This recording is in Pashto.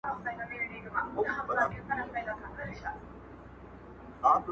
كوم اكبر به ورانوي د فرنګ خونه!